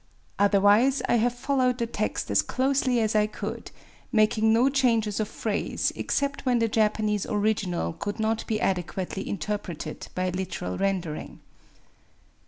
Otherwise I have followed the text as closely as I could, — making no changes of phrase except when the Japanese original could not be adequately interpreted by a literal rendering.